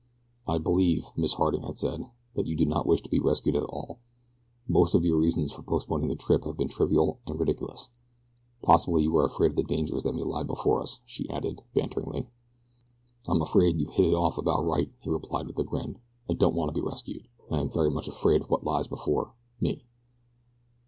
"I believe," Miss Harding had said, "that you do not wish to be rescued at all. Most of your reasons for postponing the trip have been trivial and ridiculous possibly you are afraid of the dangers that may lie before us," she added, banteringly. "I'm afraid you've hit it off about right," he replied with a grin. "I don't want to be rescued, and I am very much afraid of what lies before me."